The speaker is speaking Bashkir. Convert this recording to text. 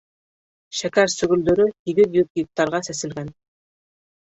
Шәкәр сөгөлдөрө һигеҙ йөҙ гектарға сәселгән.